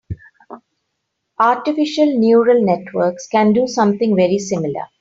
Artificial neural networks can do something very similar.